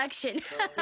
ハハハ。